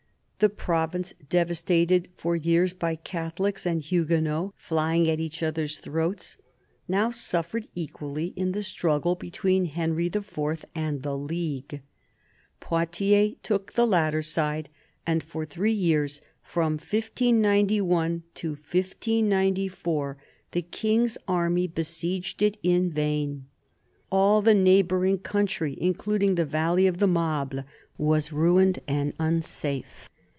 The province, devastated for years by Catholics and Huguenots flying at each other's throats, now suffered equally in the struggle between Henry IV. and the League. Poitiers took the latter side, and for three years, from 1591 to 1594, the King's army besieged it in vain. All the neighbouring country, including the valley of the Mable, was ruined and unsafe.